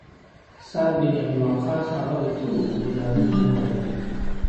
سعد بن ابی وقاص هغه د تورو په ګوزارونو وواژه.